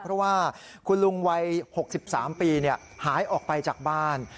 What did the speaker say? เพราะว่าคุณลุงวัย๖๓ปีหายออกไปจากบ้าน